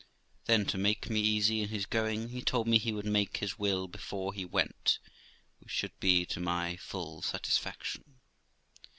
Then, to make me easy in his going, he told me he would make his will before he went, which should be to my full satisfaction.